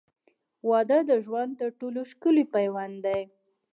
• واده د ژوند تر ټولو ښکلی پیوند دی.